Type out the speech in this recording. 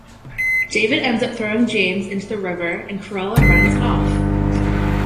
David ends up throwing James into the River and Cruella runs off.